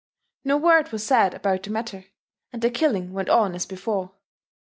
No word was said about the matter; and the killing went on as before.